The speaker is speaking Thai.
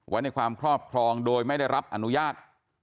ไว้ในความครอบครองโดยไม่ได้รับอนุญาต